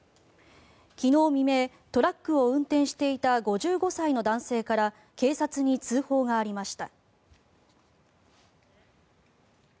昨日未明トラックを運転していた５５歳の男性から警察に通報がありました。